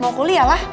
mau kuliah lah